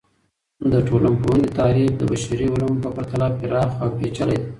د ټولنپوهنې تعریف د بشري علومو په پرتله پراخه او پیچلي دی.